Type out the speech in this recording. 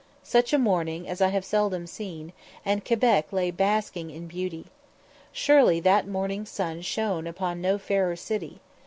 Such a morning I have seldom seen, and Quebec lay basking in beauty. Surely that morning's sun shone upon no fairer city!